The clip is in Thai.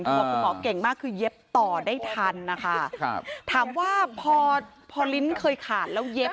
บอกคุณหมอเก่งมากคือเย็บต่อได้ทันนะคะครับถามว่าพอพอลิ้นเคยขาดแล้วเย็บ